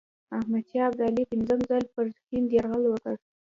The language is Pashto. احمدشاه ابدالي پنځم ځل پر هند یرغل وکړ.